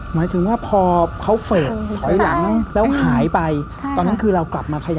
หมายถึงว่าพอเขาเฟสถอยหลังแล้วหายไปตอนนั้นคือเรากลับมาขยะ